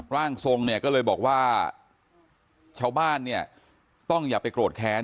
ร่างทรงเนี่ยก็เลยบอกว่าชาวบ้านเนี่ยต้องอย่าไปโกรธแค้น